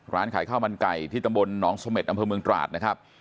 ร้านขายข้าวมันไก่ที่ตำบลหนองเสม็ดอำเภอเมืองตราดนะครับ